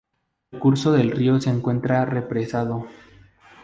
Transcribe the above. El curso del río se encuentra represado.